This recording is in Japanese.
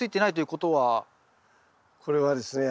これはですね